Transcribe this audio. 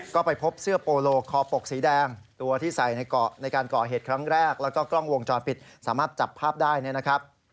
ก็ไปพบเสื้อโปโลคอปกสีแดงตัวที่ใส่ในการก่อเหตุครั้งแรกแล้วก็กล้องวงจรปิดสามารถจับภาพได้เนี่ยนะครับ